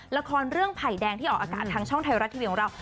ละครเรื่องไผ่แดงที่ออกอากาศทางช่องไทยรัฐทีวีของเรา